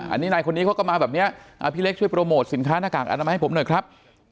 อันนี้นายคนนี้เขาก็มาแบบนี้พี่เล็กช่วยโปรโมทสินค้าหน้ากากอนามัยให้ผมหน่อยครับ